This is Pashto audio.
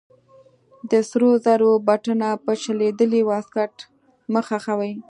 د سرو زرو بټنه په شلېدلې واسکټ مه خښوئ.